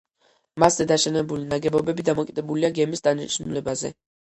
მასზე დაშენებული ნაგებობები დამოკიდებულია გემის დანიშნულებაზე.